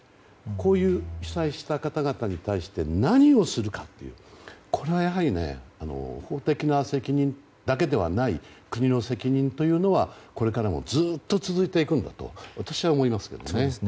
こういう被災した方々に対して何をするかとこれはやはり法的な責任だけではない国の責任というのは、これからもずっと続いていくんだと私は思いますけどね。